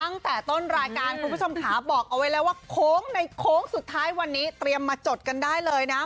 ตั้งแต่ต้นรายการคุณผู้ชมขาบอกเอาไว้แล้วว่าโค้งในโค้งสุดท้ายวันนี้เตรียมมาจดกันได้เลยนะ